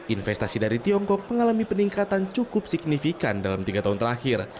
investasi dari tiongkok mengalami peningkatan cukup signifikan dalam tiga tahun terakhir